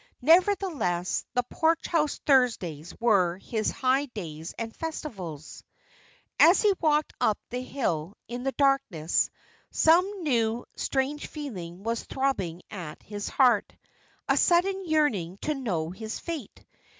Nevertheless, the Porch House Thursdays were his high days and festivals. As he walked up the hill, in the darkness, some new, strange feeling was throbbing at his heart; a sudden yearning to know his fate.